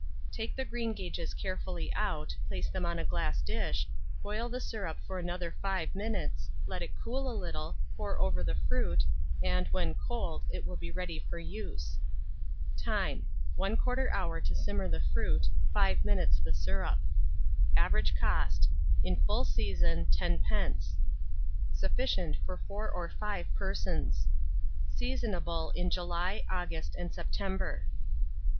Take the greengages carefully out, place them on a glass dish, boil the syrup for another 5 minutes, let it cool a little, pour over the fruit, and, when cold, it will be ready for use. Time. 1/4 hour to simmer the fruit, 5 minutes the syrup. Average cost, in full season, 10d. Sufficient for 4 or 5 persons. Seasonable in July, August, and September.